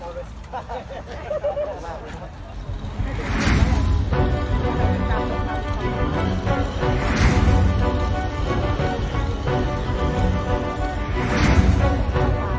รถรถ